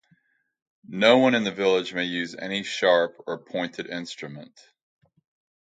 No one in the village may use any sharp or pointed instrument.